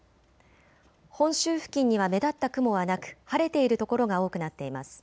本州付近には目立った雲はなく晴れている所が多くなっています。